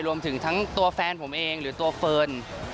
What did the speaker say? รวมถึงทั้งตัวแฟนผมเองหรือตัวเฟิร์น